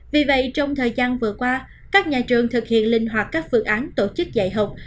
vì vậy trong thời gian vừa qua các nhà trường thực hiện linh hoạt các phương án tổ chức dạy học